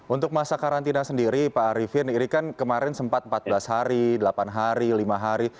untuk masa karantina sendiri pak arifin ini kan kemarin sempat empat belas hari delapan hari lima hari